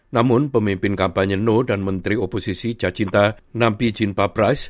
namun pemimpin kampanye no dan menteri oposisi cacinta nampi jinpapres